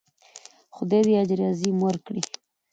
خدای دې اجر عظیم ورکړي.